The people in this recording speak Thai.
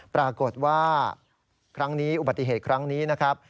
ปรากฏว่าอุบัติเหตุครั้งนี้